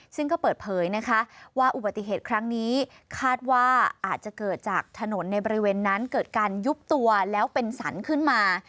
ซึ่งก็เปิดเผยนะคะว่าอุบัติเหตุครั้งนี้คาดว่าอาจจะเกิดจากถนนในบริเวณนั้นเกิดการยุบตัวแล้วเป็นสรรขึ้นมา